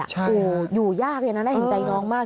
ใช่คุณครูอยู่ยากอย่างนั้นแต่เห็นใจน้องมาก